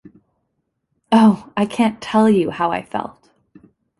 Oh, I can’t tell you how I felt.